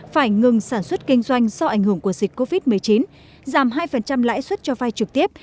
phải ngừng sản xuất kinh doanh do ảnh hưởng của dịch covid một mươi chín giảm hai lãi suất cho vai trực tiếp